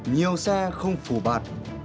nhiều xe không phủ bạt